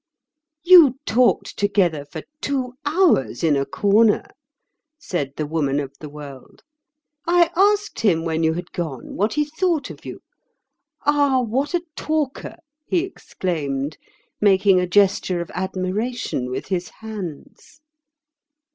"You talked together for two hours in a corner," said the Woman of the World. "I asked him when you had gone what he thought of you. 'Ah! what a talker!' he exclaimed, making a gesture of admiration with his hands.